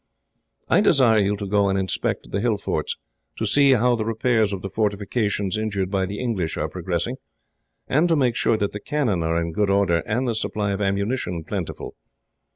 I desire you to go and inspect the hill forts, to see how the repairs of the fortifications injured by the English are progressing, and to make sure that the cannon are in good order, and the supply of ammunition plentiful.